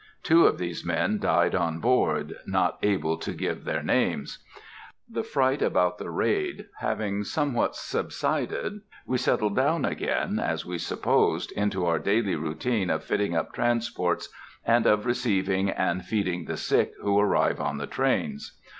Two of these men died on board, not able to give their names. The fright about the raid having somewhat subsided, we settled down again, as we supposed, into our daily routine of fitting up transports, and of receiving and feeding the sick who arrive on the trains.